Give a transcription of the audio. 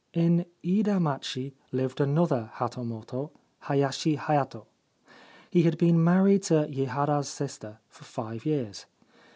In lidamachi lived another hatomoto, Hayashi Hayato. He had been married to Yehara's sister for five years.